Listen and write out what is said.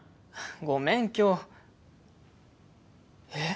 ごめん今日えっ？